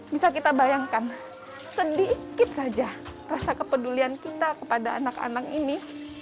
bisa kita bayangkan sedikit saja rasa kepedulian kita kepada anak anak ini